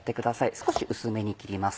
少し薄めに切ります。